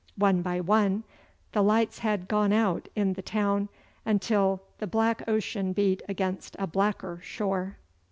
One by one the lights had gone out in the town, until the black ocean beat against a blacker shore.